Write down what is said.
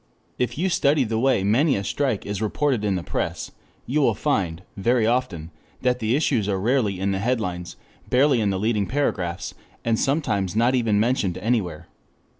_] If you study the way many a strike is reported in the press, you will find, very often, that the issues are rarely in the headlines, barely in the leading paragraphs, and sometimes not even mentioned anywhere.